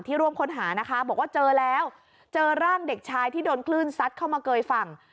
ร่วมค้นหานะคะบอกว่าเจอแล้วเจอร่างเด็กชายที่โดนคลื่นซัดเข้ามาเกยฝั่ง